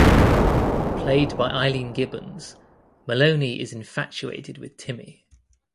Played by Eileen Gibbons, Maloney is infatuated with Timmy.